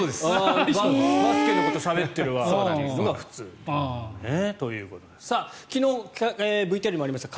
バスケのことをしゃべっているのが普通ということで昨日、ＶＴＲにもありました